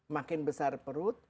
makin besar perut